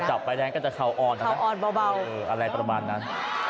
คนจับใบแดงก็จะเขาอ่อนนะครับเขาอ่อนเบาเบาเอออะไรประมาณนั้น